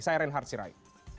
saya reinhard sirai